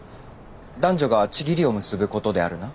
男女が契りを結ぶことであるな。